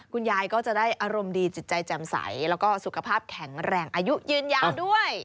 คุณยายก็จะได้อารมณ์ดีจิตใจแจ่มใสแล้วก็สุขภาพแข็งแรงอายุยืนยาวด้วย